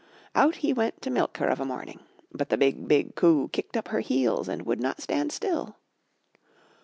Out he went to milk her of a morning. But the BIG, BIG COO kicked up her heels and would not stand still.